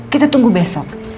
kita tunggu besok